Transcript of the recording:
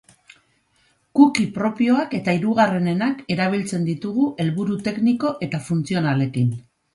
Cookie propioak eta hirugarrenenak erabiltzen ditugu helburu tekniko eta funtzionalekin.